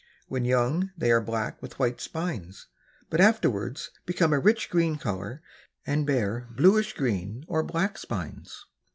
When young they are black with white spines, but afterwards become a rich green color and bear bluish green or black spines.